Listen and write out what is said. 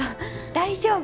大丈夫。